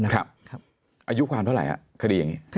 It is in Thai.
อายุความเท่าไหร่คดีอย่างนี้